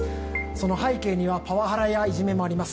その背景にはパワハラやいじめもあります。